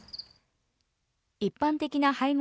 一般的な配合